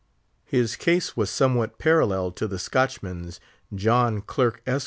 His case was somewhat parallel to the Scotchman's—John Clerk, Esq.